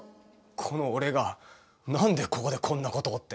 この俺がなんでここでこんな事をって。